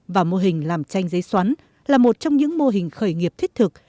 và mô hình làm tranh giấy xoắn là một trong những mô hình khởi nghiệp thiết thực